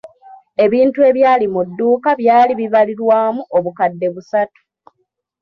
Ebintu ebyali mu dduuka byali bibalirwamu obukadde busatu.